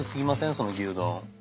その牛丼。